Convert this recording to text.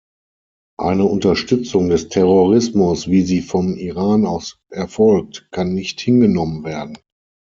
Eine Unterstützung des Terrorismus, wie sie vom Iran aus erfolgt, kann nicht hingenommen werden.